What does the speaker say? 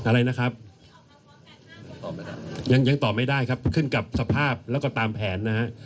อะไรนะครับตอบไหมครับยังยังตอบไม่ได้ครับขึ้นกับสภาพแล้วก็ตามแผนนะฮะ